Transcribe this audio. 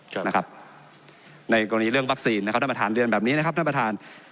นะครับในกรณีเรื่องวัคซีนนะครับท่านประธานเรียนแบบนี้นะครับท่านประธาน